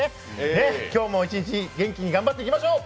今日も一日、元気に頑張っていきましょう！